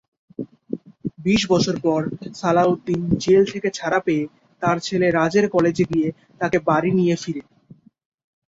বিশ বছর পর সালাউদ্দিন জেল থেকে ছাড়া পেয়ে তার ছেলে রাজের কলেজে গিয়ে তাকে নিয়ে বাড়ি ফিরে।